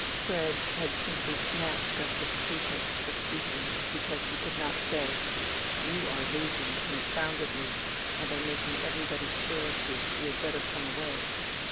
Fred had simply snatched up this pretext for speaking, because he could not say, "You are losing confoundedly, and are making everybody stare at you; you had better come away."